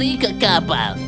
kami akan berjalan ke kapal